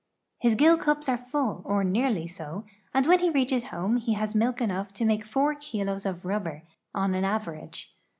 His gill cups are full, or nearly so, and when he reaches home he has milk enough to make four kilos of rubber, on an average.